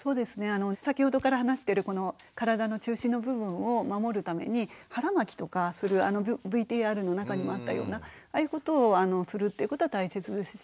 先ほどから話してる体の中心の部分を守るために腹巻きとかするあのＶＴＲの中にもあったようなああいうことをするっていうことは大切ですし。